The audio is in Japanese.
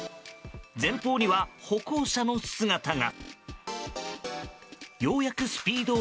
前方には歩行者の姿が。